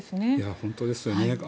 本当ですね。